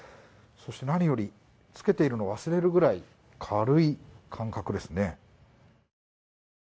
そしてなによりつけているのを忘れるくらい軽い感覚ですね。